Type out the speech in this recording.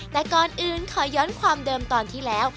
แต่ก่อนอื่นขอย้อนความเดิมตอนที่แล้ว